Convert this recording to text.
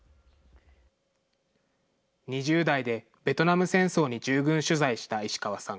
２０代でベトナム戦争に従軍取材した石川さん。